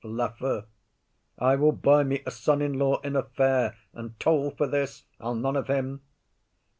LAFEW. I will buy me a son in law in a fair, and toll for this. I'll none of him.